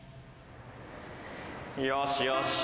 よしよし。